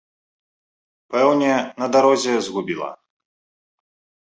Пэўне, на дарозе згубіла.